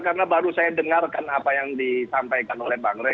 kalau saya dengarkan apa yang disampaikan oleh bang rey